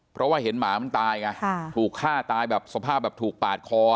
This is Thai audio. เพราะว่าเห็นหมามันตายไงถูกฆ่าตายแบบสภาพแบบถูกปาดคอ